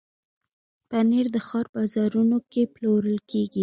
پنېر د ښار بازارونو کې پلورل کېږي.